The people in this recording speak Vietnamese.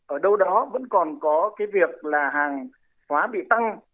ở đâu đó vẫn còn có cái việc là hàng hóa bị tăng